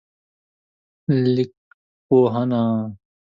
لیکپوهنه